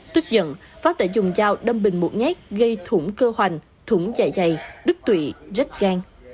tức giận pháp đã dùng dao đâm bình một nhát gây thủng cơ hoành thủng dài dày đứt tụy rách gan